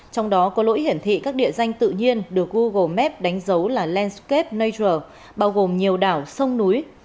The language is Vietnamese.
trong đó có lỗi hiển thị các địa danh tự nhiên được google maps đánh dấu là landscape nature bao gồm nhiều đảo sông núi